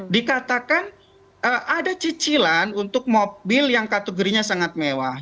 dikatakan ada cicilan untuk mobil yang kategorinya sangat mewah